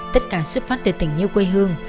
tất cả xuất phát từ tỉnh như quê hương